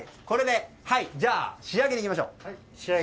じゃあ仕上げにいきましょう。